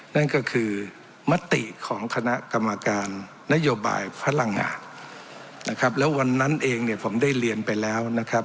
นั่นก็คือมติของคณะกรรมการนโยบายพลังงานนะครับแล้ววันนั้นเองเนี่ยผมได้เรียนไปแล้วนะครับ